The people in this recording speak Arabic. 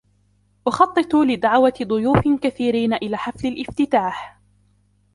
أخطط لدعوة ضيوف كثيرين إلى حفل الافتتاح.